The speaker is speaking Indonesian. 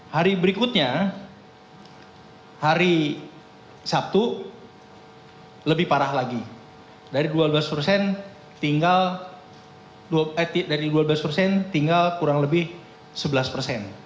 hari berikutnya hari sabtu lebih parah lagi dari dua belas persen tinggal kurang lebih sebelas persen